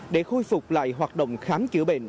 để khôi phục lại hoạt động khám chữa bệnh